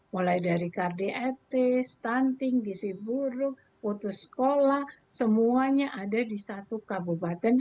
mulai dari kardiatis stunting gisi buruk putus sekolah semuanya ada di satu kabar